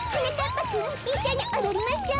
ぱくんいっしょにおどりましょう！